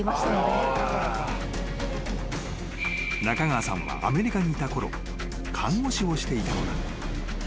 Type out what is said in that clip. ［中川さんはアメリカにいたころ看護師をしていたのだ］